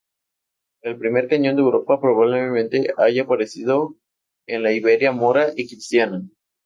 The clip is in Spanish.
El primer cañón en Europa probablemente haya aparecido en la Iberia mora y cristiana.